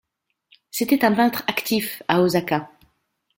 C'était un peintre actif à Osaka.